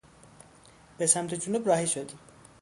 به سمت جنوب راهی شدیم.